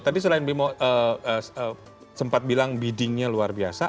tadi selain bimo sempat bilang biddingnya luar biasa